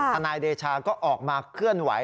นายเดชาก็ออกมาเคลื่อนไหว